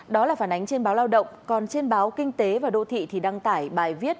đó là phản ánh trên báo lao động còn trên báo kinh tế và đô thị thì đăng tải bài viết